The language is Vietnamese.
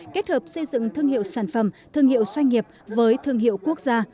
kết hợp xây dựng thương hiệu sản phẩm thương hiệu doanh nghiệp với thương hiệu quốc gia